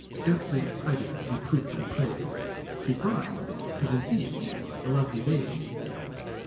Deftly hiding reproof in praise, She cries, "'Tis, indeed, a lovely vaze!"